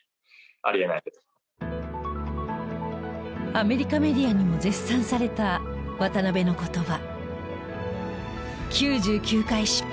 アメリカメディアにも絶賛された渡邊の言葉。